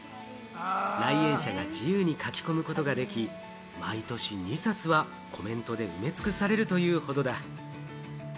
来園者が自由に書き込むことができ、毎年２冊はコメントで埋め尽くされるというほどだ。